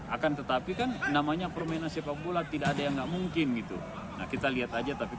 akan tetapi kan namanya permainan sepak bola tidak ada yang nggak mungkin gitu nah kita lihat aja tapi